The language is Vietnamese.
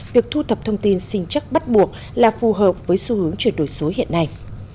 việc thu thập thông tin sinh chắc bắt buộc là phù hợp với xu hướng chuyển đổi số hiện nay